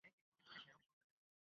অবশ্যই আমি যাবো।